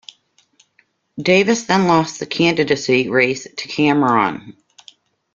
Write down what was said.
Davis then lost the candidacy race to Cameron.